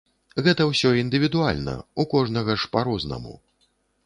Гэта ўсё індывідуальна, у кожнага ж па-рознаму.